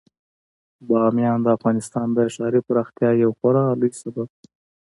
بامیان د افغانستان د ښاري پراختیا یو خورا لوی سبب دی.